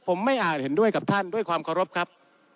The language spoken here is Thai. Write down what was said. ผมไม่อาจเห็นด้วยกับท่านด้วยความเคารพครับ